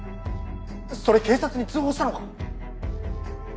それ警察に通報したのか？